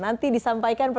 baik siapkan ya